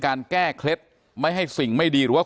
การแก้เคล็ดบางอย่างแค่นั้นเอง